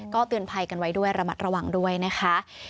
เตือนภัยกันไว้ด้วยระมัดระวังด้วยนะคะ